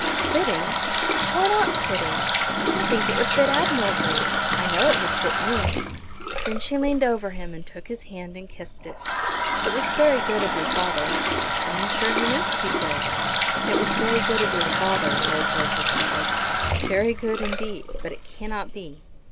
"Fitting! Why not fitting? I think it would fit admirably. I know it would fit me." Then she leaned over him and took his hand and kissed it. "It was very good of your father." "I am sure he meant to be good." "It was very good of your father," Lord George repeated, "very good indeed; but it cannot be.